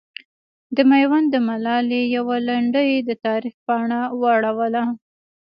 د میوند د ملالې یوه لنډۍ د تاریخ پاڼه واړوله.